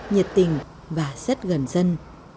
nhiệt tình và rất gần dân